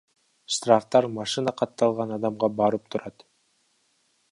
Штрафтар машина катталган адамга барып турат.